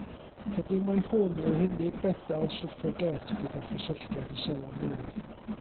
Credir mai hwn yw'r unig fedal swffragét gyda chysylltiad i Seland Newydd.